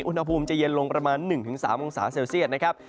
อุณหภูมิจะเย็นลงประมาณ๑๓องศาเซลเซียตนะครับ